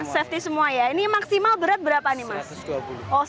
safety semua ya ini maksimal berat berapa nih mas